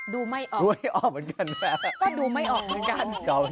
ดูไม่ออกเหมือนกันแม่ะ